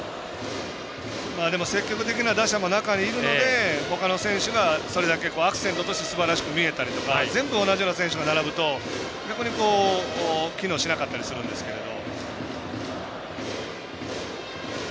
でも積極的な打者が中にはいるのでそれだけ、アクセントとしてすばらしく見えたりとか全部同じような選手が並ぶと逆に機能しなかったりするんですけど。